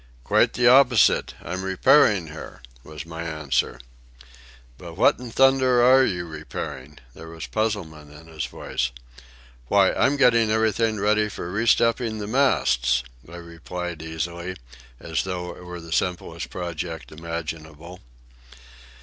"Quite the opposite; I'm repairing her," was my answer. "But what in thunder are you repairing?" There was puzzlement in his voice. "Why, I'm getting everything ready for re stepping the masts," I replied easily, as though it were the simplest project imaginable.